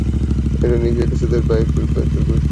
Indonesia کے صدر کی بائیک پر کرتب کی ویڈیو سوشل میڈیا پر وائرل